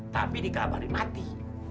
tapi dikabarin mati